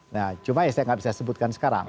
nah cuma ya saya nggak bisa sebutkan sekarang